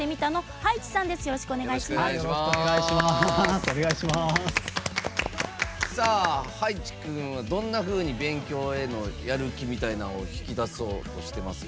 葉一君はどんなふうに勉強へのやる気みたいなんを引き出そうとしてますか？